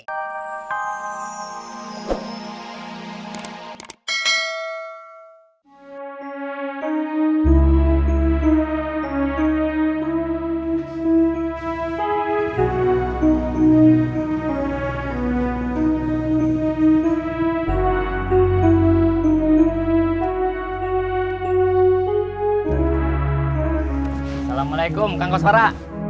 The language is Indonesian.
assalamualaikum kang koswara